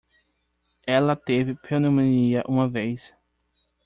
Ela teve pneumonia uma vez.